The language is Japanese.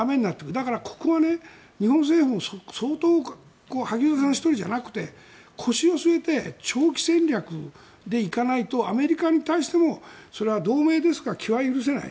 だから、ここが日本政府も相当萩生田さん１人じゃなくて腰を据えて長期戦略で行かないとアメリカに対しても同盟ですが、気は許せない。